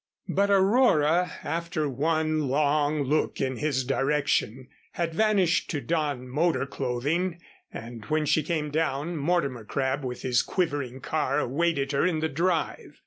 But Aurora, after one long look in his direction, had vanished to don motor clothing, and when she came down, Mortimer Crabb with his quivering car awaited her in the drive.